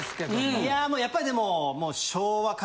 いやもうやっぱり。